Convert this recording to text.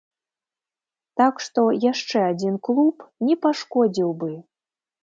Так што яшчэ адзін клуб не пашкодзіў бы.